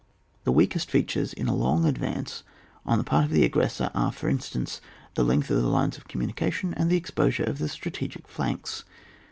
The weakest features in a long advance on the part of the aggressor are for instance; — the length of the lines of communication, and the exposure of the strategic flanks.